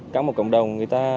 cả một cộng đồng người ta